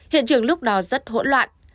hiện trường lúc đó rất hỗn loạn